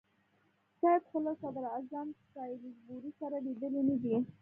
سید خو له صدراعظم سالیزبوري سره لیدلي نه دي.